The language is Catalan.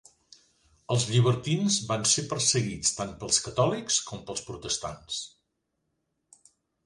Els llibertins van ser perseguits tant pels catòlics com pels protestants.